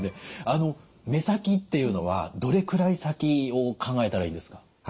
目先っていうのはどれくらい先を考えたらいいんですか？